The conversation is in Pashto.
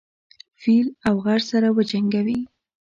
فيل او غر سره وجنګوي.